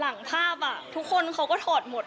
หลังภาพทุกคนเขาก็ถอดหมด